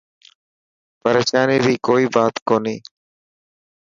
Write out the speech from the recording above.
پريشاني ري ڪوئي بات ڪوني.